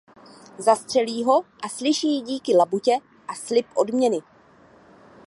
Zastřelí ho a slyší díky labutě a slib odměny.